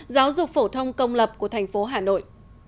giáo dục phổ thông công lập của tp hà nội